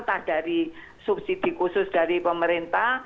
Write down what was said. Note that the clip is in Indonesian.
entah dari subsidi khusus dari pemerintah